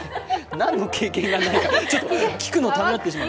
何の経験がないのか、聞くのためらっちゃう。